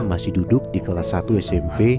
masih duduk di kelas satu smp